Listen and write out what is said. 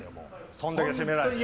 そんだけ責められたら。